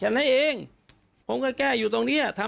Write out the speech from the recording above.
ยืนยันว่าความบริสดิ์สั่นตรีครับ